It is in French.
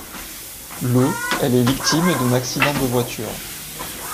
Le elle est victime d'un accident de voiture.